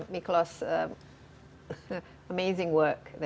miklos kerja lu luar biasa